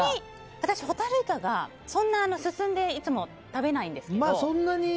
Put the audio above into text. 私、ホタルイカがそんなに進んでいつも食べないんですけど。